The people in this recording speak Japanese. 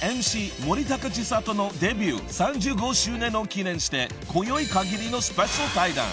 森高千里のデビュー３５周年を記念してこよいかぎりのスペシャル対談］